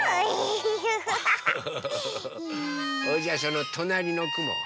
それじゃあそのとなりのくもは？